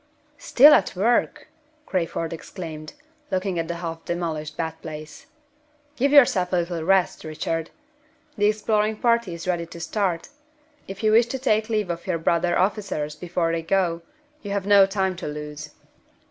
"Still at work!" Crayford exclaimed, looking at the half demolished bed place. "Give yourself a little rest, Richard. The exploring party is ready to start. If you wish to take leave of your brother officers before they go, you have no time to lose."